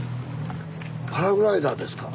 パラグライダーですか？